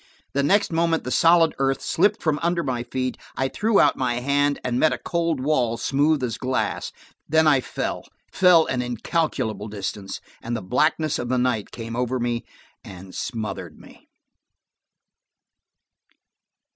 The next moment the solid earth slipped from under my feet, I threw out my hand, and it met a cold wall, smooth as glass. Then I fell–fell an incalculable distance, and the blackness of the night came over me and smothered me.